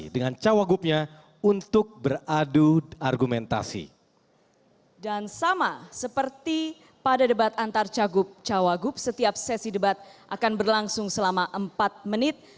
dan sama seperti pada debat antar cagup cawagup setiap sesi debat akan berlangsung selama empat menit